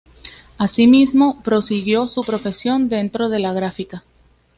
Asimismo prosiguió su profesión dentro de la gráfica.